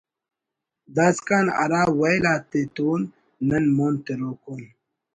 داسکان ہرا ویل آتتون نن مون تروک اُن